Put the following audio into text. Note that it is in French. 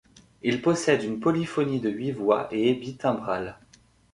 Il possède une polyphonie de huit voix et est bitimbral.